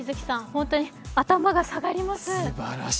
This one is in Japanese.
本当に頭が下がります。